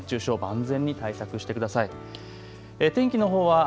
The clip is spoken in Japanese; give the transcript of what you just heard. あすも熱中症、万全に対策してください。